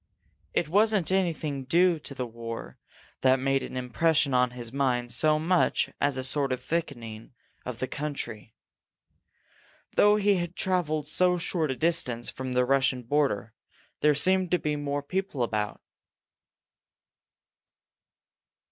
It wasn't anything due to the war that made an impression on his mind so much as a sort of thickening of the country. Though he had traveled so short a distance from the Russian border, there seemed to be more people about.